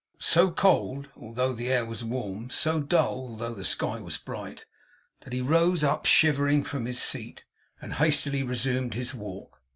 So cold, although the air was warm; so dull, although the sky was bright; that he rose up shivering from his seat, and hastily resumed his walk.